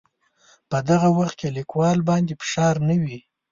په دغه وخت کې لیکوال باندې فشار نه وي.